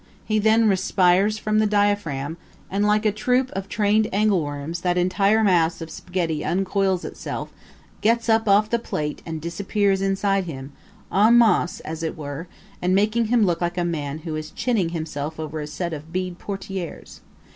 He then respires from the diaphragm, and like a troupe of trained angleworms that entire mass of spaghetti uncoils itself, gets up off the plate and disappears inside him en masse, as it were and making him look like a man who is chinning himself over a set of bead portieres.